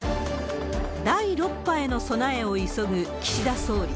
第６波への備えを急ぐ岸田総理。